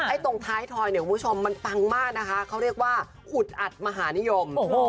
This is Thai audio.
ตรงท้ายทอยเนี่ยคุณผู้ชมมันปังมากนะคะเขาเรียกว่าอุดอัดมหานิยม